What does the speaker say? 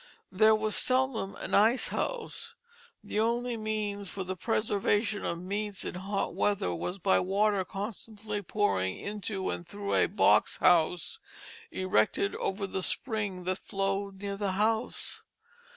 There was seldom an ice house. The only means for the preservation of meats in hot weather was by water constantly pouring into and through a box house erected over the spring that flowed near the house.